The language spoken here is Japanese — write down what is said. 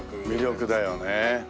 魅力だよね。